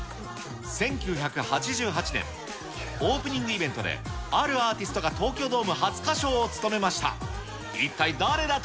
１９８８年、オープニングイベントで、あるアーティストが東京ドーム初歌唱を務めました。